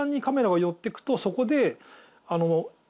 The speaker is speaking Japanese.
そこで。